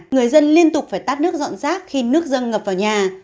người dân liên tục phải tắt nước dọn rác khi nước dâng ngập vào nhà